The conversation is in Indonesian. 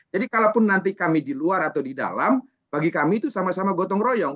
kalaupun nanti kami di luar atau di dalam bagi kami itu sama sama gotong royong